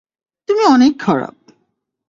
তুমি অনেক খারাপ!